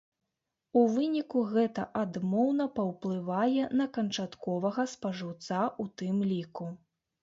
У выніку гэта адмоўна паўплывае на канчатковага спажыўца ў тым ліку.